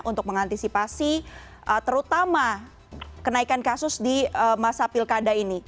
untuk mengantisipasi terutama kenaikan kasus di masa pilkada ini